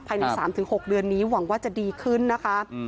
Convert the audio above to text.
ภายใน๓๖เดือนนี้หวังว่าจะดีขึ้นนะคะ